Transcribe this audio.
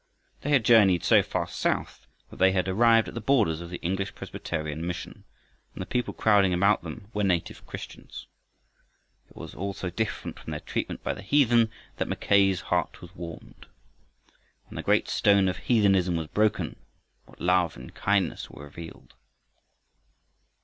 They had journeyed so far south that they had arrived at the borders of the English Presbyterian mission, and the people crowding about them were native Christians. It was all so different from their treatment by the heathen that Mackay's heart was warmed. When the great stone of heathenism was broken, what love and kindness were revealed!